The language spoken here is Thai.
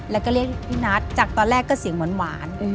แล้วก็เรียกพี่นัทจากตอนแรกก็เสียงหวาน